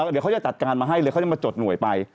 เดี๋ยวเขาจะจัดการมาให้เลยเขาจะมาจดหน่วยไป